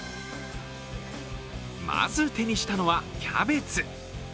まず手にしたのはキャベツ。